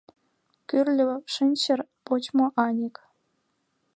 Кӱрльӧ шинчыр, почмо аньык;